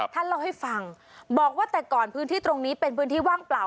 ท่านเล่าให้ฟังบอกว่าแต่ก่อนพื้นที่ตรงนี้เป็นพื้นที่ว่างเปล่า